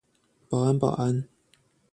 保安保安